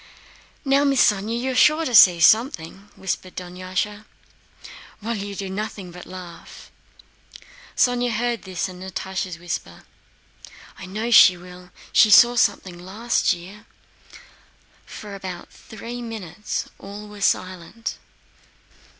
"Now, Miss Sónya is sure to see something," whispered Dunyásha; "while you do nothing but laugh." Sónya heard this and Natásha's whisper: "I know she will. She saw something last year." For about three minutes all were silent.